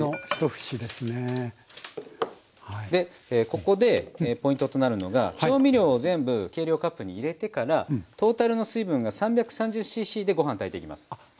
ここでポイントとなるのが調味料を全部計量カップに入れてからトータルの水分が３３０ｃｃでご飯炊いていきます。